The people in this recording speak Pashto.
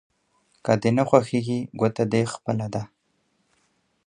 که دې نه خوښېږي ګوته دې خپله ده.